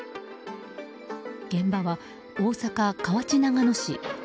現場は大阪・河内長野市。